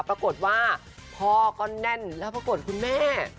ปรากฏว่าพ่อก็แน่นแล้วปรากฏคุณแม่